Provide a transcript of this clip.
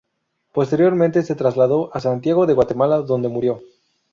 Posteriormente se trasladó a Santiago de Guatemala, donde murió.